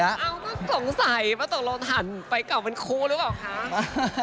เอ้าต้องสงสัยมาตรงโลธันไปกลับเป็นครูหรือเปล่าคะ